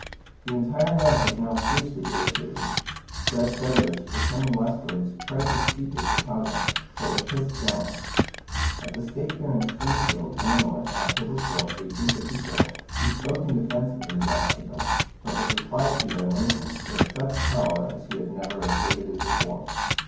The entire North was now fiercely irritated. Judge Douglas, returning westwards, tried to speak at Chicago, but was hissed down. At the state fair in Springfield, Illinois, Oct. 4th, 1854, he spoke in defence of the Nebraska Bill, but was replied to by Lincoln "with such power as he had never exhibited before."